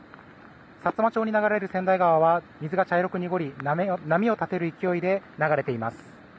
さつま町に流れる川内川は水が茶色く濁り波を立てる勢いで流れています。